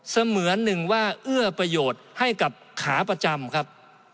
เสมือนหนึ่งว่าเอื้อประโยชน์ให้กับขาประจำครับ